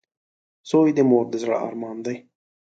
• زوی د مور د زړۀ ارمان وي.